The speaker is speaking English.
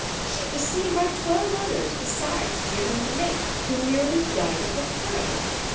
She was seen by twelve others, E 50 THE DEATH SHIP. besides Jim and the mate, who nearly died of the fright.